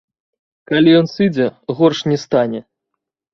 Калі ён сыдзе, горш не стане.